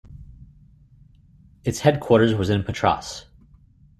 Its headquarters was in Patras.